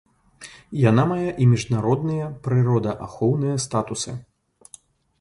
Яна мае і міжнародныя прыродаахоўныя статусы.